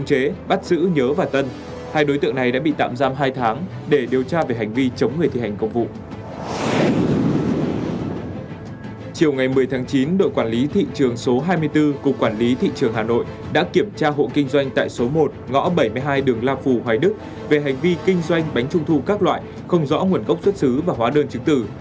chiều ngày một mươi tháng chín đội quản lý thị trường số hai mươi bốn cục quản lý thị trường hà nội đã kiểm tra hộ kinh doanh tại số một ngõ bảy mươi hai đường la phù hoài đức về hành vi kinh doanh bánh trung thu các loại không rõ nguồn gốc xuất xứ và hóa đơn chứng tử